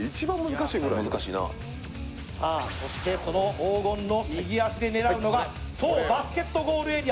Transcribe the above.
そして、その黄金の右足で狙うのがバスケゴールエリア。